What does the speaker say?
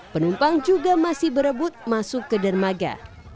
penumpang juga masih berebut masuk ke dermaga